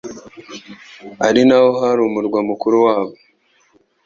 ari naho hari umurwa mukuru wabo.